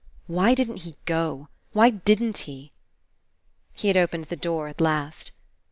Why didn't he go? Why didn't he? He had opened the door at last.